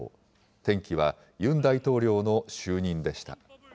転機はユン大統領の就任でした。